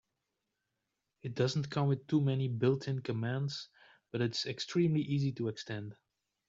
It doesn't come with too many built-in commands, but it's extremely easy to extend.